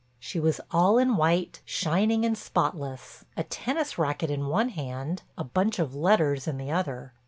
She was all in white, shining and spotless, a tennis racket in one hand, a bunch of letters in the other.